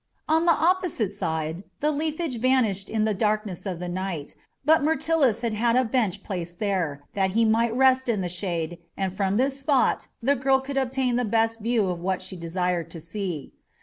On the opposite side the leafage vanished in the darkness of the night, but Myrtilus had had a bench placed there, that he might rest in the shade, and from this spot the girl could obtain the best view of what she desired to see.